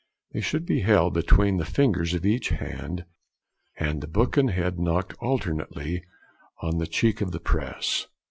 They should be held between the fingers of each hand, and the back and head knocked alternately on the cheek of the press.